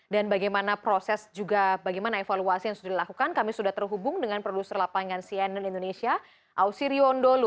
dan bagaimana proses juga bagaimana evaluasi yang sudah dilakukan kami sudah terhubung dengan produser lapangan cnn indonesia ausi riondolu